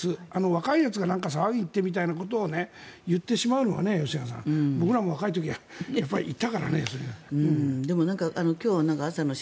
若いやつがなんか騒いでみたいなことを言ってしまうのは吉永さん僕らも若い時はやっぱり行ったからねそういうの。